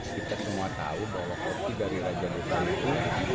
kita semua tahu bahwa kopi dari raja duta itu